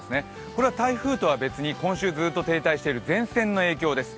これは台風とは別に今週ずっと停滞している前線の影響です。